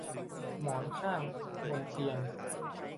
หมอนข้างบนเตียง